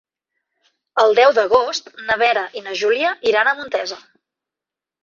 El deu d'agost na Vera i na Júlia iran a Montesa.